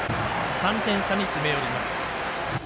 ３点差に詰め寄ります。